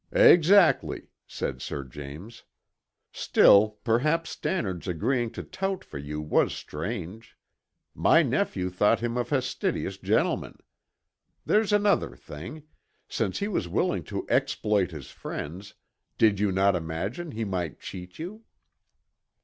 "Exactly," said Sir James. "Still, perhaps Stannard's agreeing to tout for you was strange. My nephew thought him a fastidious gentleman. There's another thing: since he was willing to exploit his friends, did you not imagine he might cheat you?"